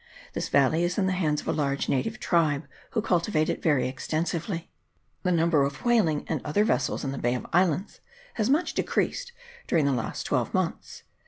This valley is in the hands of a large native tribe, who cultivate it very extensively. The number of whaling and other vessels in the Bay of Islands has much decreased during the last twelve months.